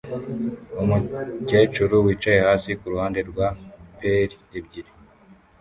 Umukecuru wicaye hasi kuruhande rwa pail ebyiri